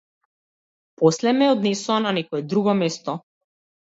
После ме однесоа на некое друго место.